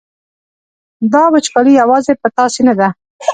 دا وچکالي یوازې په تاسې نه ده.